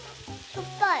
しょっぱい？